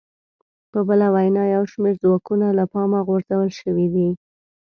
په بله وینا یو شمېر ځواکونه له پامه غورځول شوي دي